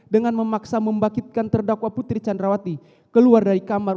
dengan memaksa membangkitkan terdakwa putri candrawati keluar dari kamar